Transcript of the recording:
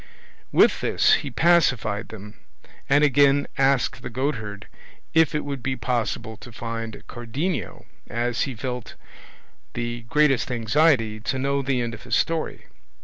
With this he pacified them, and again asked the goatherd if it would be possible to find Cardenio, as he felt the greatest anxiety to know the end of his story.